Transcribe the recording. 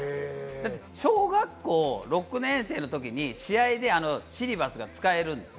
小学校６年生の時に試合でシリバスが使えるんです。